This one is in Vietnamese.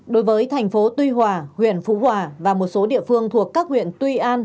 đối với thành phố tuy hòa huyện phú hòa và một số địa phương thuộc các huyện tuy an